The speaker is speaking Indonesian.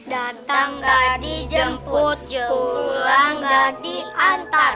datang gak dijemput jempol anda diantar